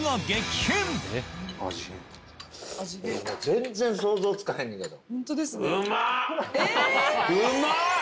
全然想像つかへんのやけど。